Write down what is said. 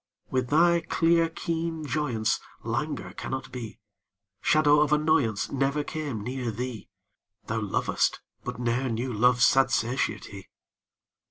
With thy clear keen joyance Languor cannot be: Shadow of annoyance Never came near thee: Thou lovest, but ne'er knew love's sad satiety.